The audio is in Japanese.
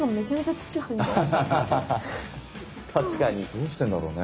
どうしてんだろうね？